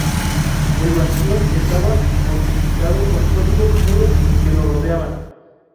El bastión estaba fortificado con sólidos muros que lo rodeaban.